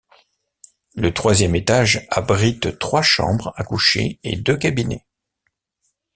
Le troisième étage abrite trois chambres à coucher et deux cabinets.